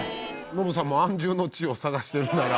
ノブさんも安住の地を探してるなら。